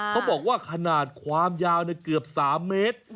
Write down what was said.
เขาบอกว่าขนาดความยาวเกือบ๓เมตร